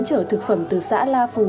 chở thực phẩm từ xã la phù